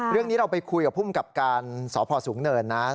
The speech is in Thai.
เรื่องนี้เราไปคุยกับภูมิกับการสพสูงเนินนะ